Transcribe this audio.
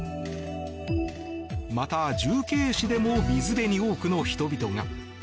また、重慶市でも水辺に多くの人々が。